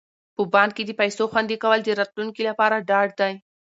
په بانک کې د پيسو خوندي کول د راتلونکي لپاره ډاډ دی.